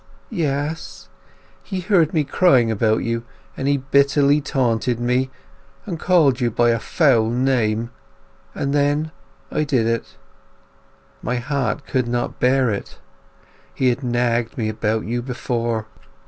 "Yes. He heard me crying about you, and he bitterly taunted me; and called you by a foul name; and then I did it. My heart could not bear it. He had nagged me about you before.